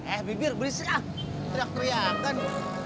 eh bibir berisik ah teriak teriakan